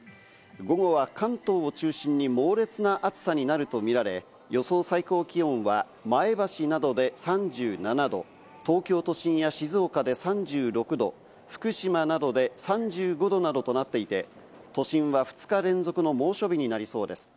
午後は関東を中心に猛烈な暑さになると見られ、予想最高気温は前橋などで３７度、東京都心や静岡で３６度、福島などで３５度などとなっていて、都心は２日連続の猛暑日になりそうです。